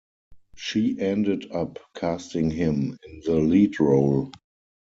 She ended up casting him in the lead role.